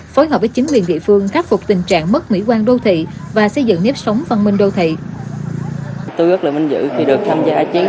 phối hợp với chính quyền địa phương khắc phục tình trạng mất mỹ quan đô thị và xây dựng nếp sống văn minh đô thị